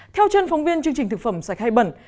theo chân phóng viên chương trình thực phẩm sạch hay bẩn